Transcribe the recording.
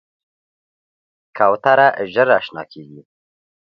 کوتره ژر اشنا کېږي.